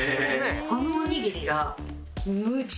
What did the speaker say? このおにぎりが。